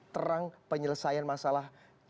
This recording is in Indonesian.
terang penyelesaian masalah